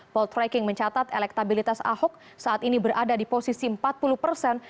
poltreking mencatat elektabilitas ahok saat ini berada di posisi empat puluh persen